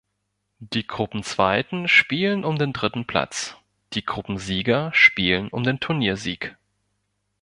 Die Gruppenzweiten spielen um den dritten Platz, die Gruppensieger spielen um den Turniersieg.